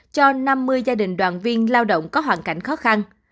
cho năm mươi gia đình đoàn viên lao động có hoàn cảnh khó khăn